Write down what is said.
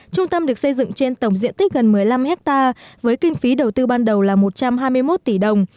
trung tâm được xây dựng trên tổng diện tích gần một mươi năm hectare với kinh phí đầu tư ban đầu là một trăm hai mươi một tỷ đồng